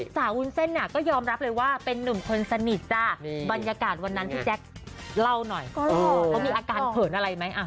วุ้นเส้นเนี่ยก็ยอมรับเลยว่าเป็นนุ่มคนสนิทจ้ะบรรยากาศวันนั้นพี่แจ๊คเล่าหน่อยเขามีอาการเขินอะไรไหม